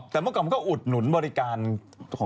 แต่เมื่อก่อนมันก็อุดหนุนบริการของ